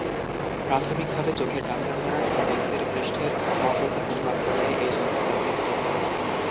প্রাথমিকভাবে, চোখের ডাক্তার দ্বারা কোনো লেন্সের পৃষ্ঠের বক্রতা পরিমাপ করতে এই যন্ত্র ব্যবহৃত হত।